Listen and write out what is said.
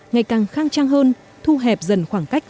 ngày càng khang trang hơn thu hẹp dần khoảng cách